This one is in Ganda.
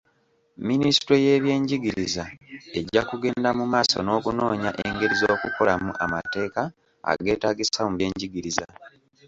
Minisitule y'ebyenjigiriza ejja kugenda mu maaso n'okunoonya engeri z'okukolamu amateeka ageetaagisa mu byenjigiriza.